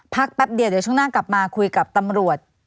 แป๊บเดียวเดี๋ยวช่วงหน้ากลับมาคุยกับตำรวจ